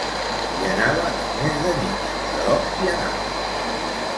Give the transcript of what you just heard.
Hi anava no més de nits, però hi anava.